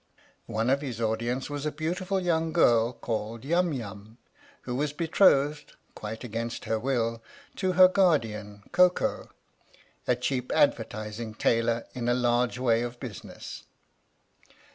One of his audience was a beautiful young girl called Yum Yum, who was betrothed, quite against her will, to her guardian Koko, a cheap advertising tailor in a large way of business.